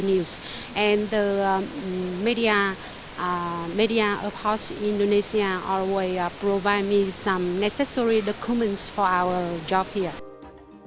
dan media media di indonesia selalu memberikan saya beberapa dokumen yang perlu untuk pekerjaan kami di sini